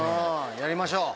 やりましょう。